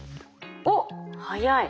おっ速い。